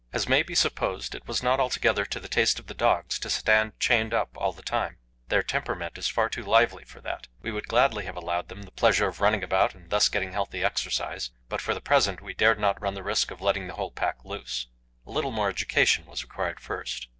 As may be supposed, it was not altogether to the taste of the dogs to stand chained up all the time; their temperament is far too lively for that. We would gladly have allowed them the pleasure of running about and thus getting healthy exercise, but for the present we dared not run the risk of letting the whole pack loose. A little more education was required first.